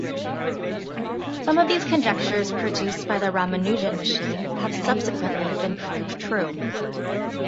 Some of these conjectures produced by the Ramanujan machine have subsequently been proved true.